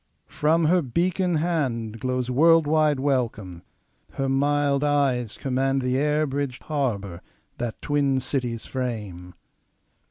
From her beacon handGlows world wide welcome; her mild eyes commandThe air bridged harbour that twin cities frame.